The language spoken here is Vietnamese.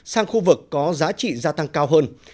sang khu vực có giá trị gia tăng cao hơn